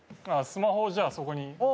スマホをじゃあそこにあ